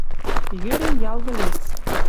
Йӧрен ял вӹлец.